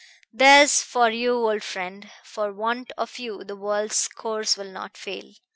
"There's for you, old friend! For want of you the world's course will not fail.